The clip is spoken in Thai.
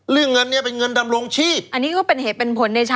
เงินเนี้ยเป็นเงินดำรงชีพอันนี้ก็เป็นเหตุเป็นผลในชั้น